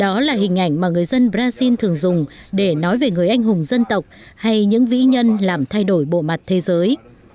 đó là hình ảnh mà người dân brazil thường dùng để nói về người anh hùng dân tộc hay những vĩ nhân làm thay đổi bộ mặt thế giới